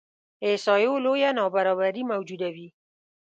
احصایو لویه نابرابري موجوده وي.